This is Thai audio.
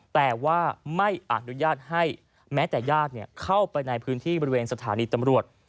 แต่ว่าไม่อนุญาตให้แม้แต่ญาติเข้าไปในพื้นที่บริเวณสถานีตำรวจ